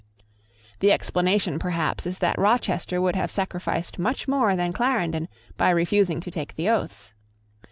The explanation perhaps is that Rochester would have sacrificed much more than Clarendon by refusing to take the oaths.